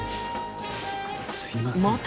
すいません。